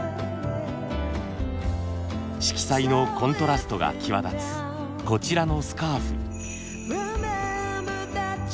色彩のコントラストが際立つこちらのスカーフ。